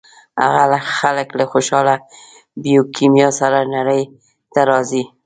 هغه خلک له خوشاله بیوکیمیا سره نړۍ ته راځي.